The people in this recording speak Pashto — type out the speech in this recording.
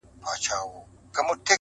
چي خبر د کلي خلګ په دې کار سوه,